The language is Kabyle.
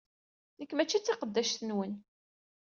Nekk mačči d taqeddact-nwen!